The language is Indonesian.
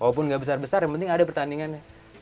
walaupun nggak besar besar yang penting ada pertandingannya